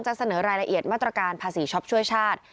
เสนอรายละเอียดมาตรการภาษีช็อปช่วยชาติ